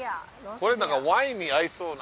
これなんかワインに合いそうな。